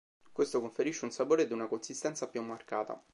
Questo conferisce un sapore ed una consistenza più marcata.